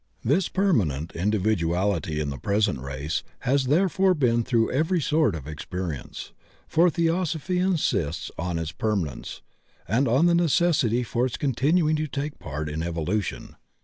This permanent individuality in the present race has therefore been through every sort of experience, for Theosophy insists on its permanence and on the necessity for its continuing to take part in evolution.